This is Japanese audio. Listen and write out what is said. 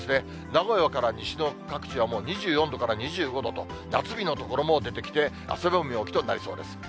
名古屋から西の各地はもう２４度から２５度と、夏日の所も出てきて、汗ばむ陽気となりそうです。